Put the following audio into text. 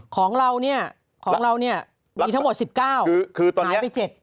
ของเราเนี่ยมีทั้งหมด๑๙หายไป๗